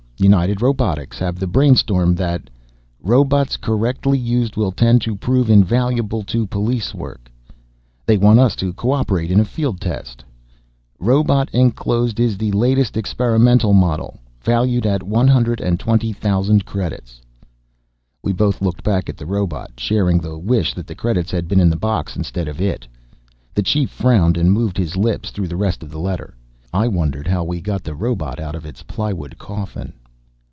United Robotics have the brainstorm that ... robots, correctly used will tend to prove invaluable in police work ... they want us to co operate in a field test ... robot enclosed is the latest experimental model; valued at 120,000 credits." We both looked back at the robot, sharing the wish that the credits had been in the box instead of it. The Chief frowned and moved his lips through the rest of the letter. I wondered how we got the robot out of its plywood coffin.